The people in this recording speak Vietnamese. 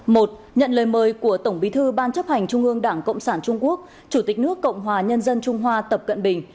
một nhận lời mời của tổng bí thư ban chấp hành trung ương đảng cộng sản trung quốc chủ tịch nước cộng hòa nhân dân trung hoa tập cận bình